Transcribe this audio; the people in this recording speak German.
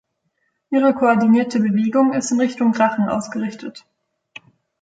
Ihre koordinierte Bewegung ist in Richtung Rachen ausgerichtet.